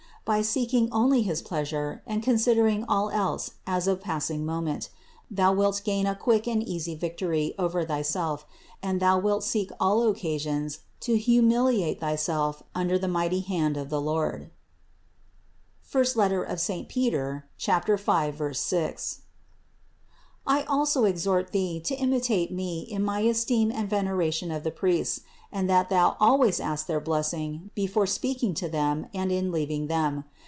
By seeking only his pleasure, and considering all else as of passing moment, thou wilt gain a quick and easy victory over thyself, and thou wilt seek all occasions to humiliate thyself under the mighty hand of the Lord (I Pet. 5, 6). I also exhort thee to imitate me in my esteem and veneration of the priests, and that thou always ask their blessing before speaking to them and in leaving them.